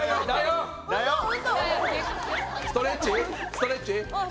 ストレッチ。